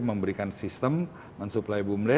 memberikan sistem mensuplai bumd